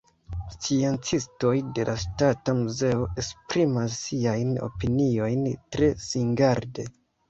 Sciencistoj de la Ŝtata Muzeo esprimas siajn opiniojn tre singarde.